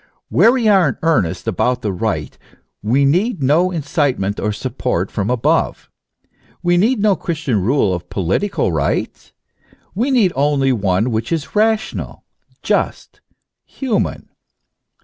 Where we are in earnest about the right we need no incitement or support from above. We need no Christian rule of political right ; we need only one which is rational, just, human.